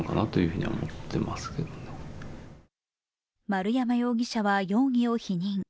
丸山容疑者は容疑を否認。